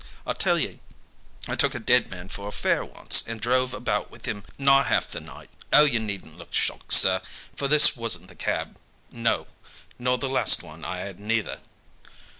I tell ye I took a dead man for a fare once, and drove about with him nigh half the night. Oh, you needn't look shocked, sir, for this wasn't the cab no, nor the last one I had neither."